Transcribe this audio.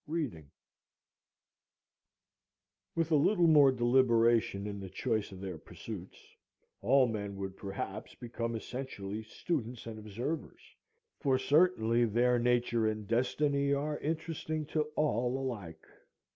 Reading With a little more deliberation in the choice of their pursuits, all men would perhaps become essentially students and observers, for certainly their nature and destiny are interesting to all alike.